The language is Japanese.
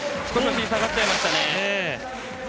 少し下がっちゃいましたね。